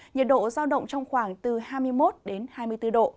nhiệt độ do động trong khoảng từ hai mươi một đến hai mươi bốn độ